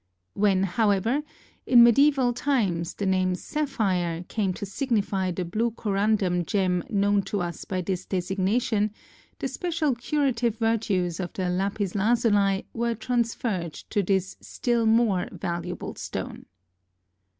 When, however, in medieval times, the name sapphire came to signify the blue corundum gem known to us by this designation, the special curative virtues of the lapis lazuli were transferred to this still more valuable stone.